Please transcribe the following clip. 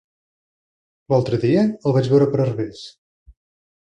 L'altre dia el vaig veure per Herbers.